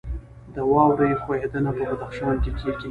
د واورې ښویدنه په بدخشان کې کیږي